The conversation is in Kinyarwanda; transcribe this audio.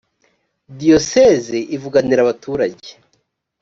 diyoseze ivuganira abaturage.